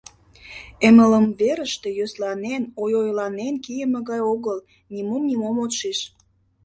Эмлымверыште йӧсланен, ойойланен кийыме гай огыл — нимом-нимом от шиж.